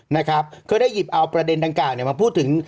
นะครับก็ได้หยิบเอาประเด็นดังกล่าวเนี่ยมาพูดถึง